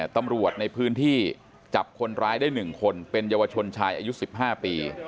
ตำรวจในพื้นที่จับคนร้ายได้๑คนเป็นเยาวชนชายอายุ๑๕ปี